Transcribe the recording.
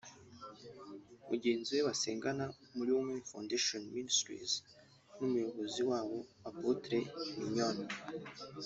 mugenzi we basengana muri Women Foundation ministries n'umuyobozi wabo Apotre Mignone